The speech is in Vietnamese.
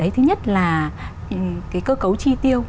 thứ nhất là cơ cấu tri tiêu